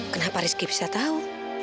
kenapa rizky bisa tahu